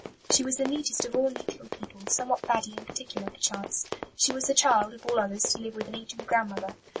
"She was the neatest of all neat little people, somewhat faddy and particular, perchance. She was the child, of all others, to live with an ancient grandmother.